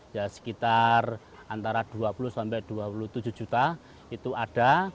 ya sekitar antara dua puluh sampai dua puluh tujuh juta itu ada